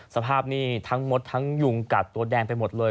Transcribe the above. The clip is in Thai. สภาพนี้ทั้งมดทั้งยุงกัดตัวแดงไปหมดเลย